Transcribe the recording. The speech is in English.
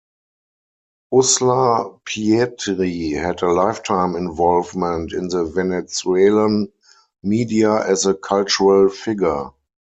Uslar Pietri had a lifetime involvement in the Venezuelan media as a cultural figure.